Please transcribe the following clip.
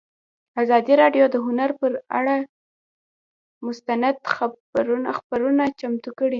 ازادي راډیو د هنر پر اړه مستند خپرونه چمتو کړې.